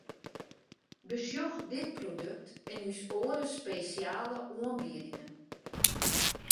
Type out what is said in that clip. Besjoch dit produkt en ús oare spesjale oanbiedingen!